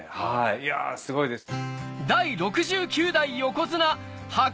いやすごいです。